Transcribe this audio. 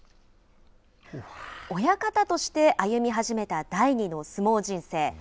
親方として歩み始めた第２の相撲人生。